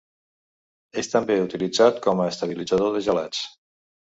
És també utilitzat com a estabilitzador de gelats.